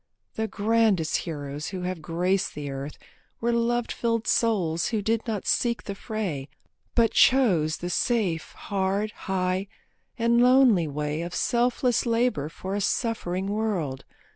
The grandest heroes who have graced the earth Were love filled souls who did not seek the fray, But chose the safe, hard, high, and lonely way Of selfless labour for a suffering world.